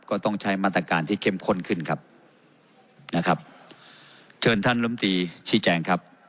ก็ต้องใช้มาตรการที่เข้มข้นขึ้นครับนะครับเชิญท่านลำตีชี้แจงครับ